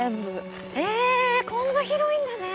えこんな広いんだね。